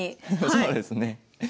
そうですね。